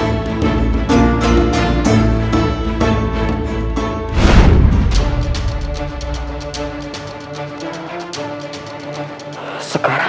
tidak ada yang bisa dihalirkan